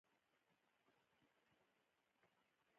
دا د هغه ښکاره او روښانه مصداق دی.